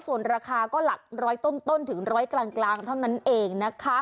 ส่วนราคาก็หลัก๑๐๐ต้นถึงรอยกลางเท่านั้นเอง